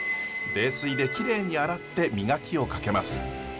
冷水できれいに洗って磨きをかけます。